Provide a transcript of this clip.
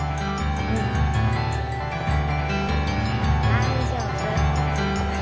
大丈夫。